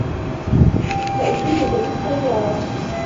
سأقلّك بالسيارة.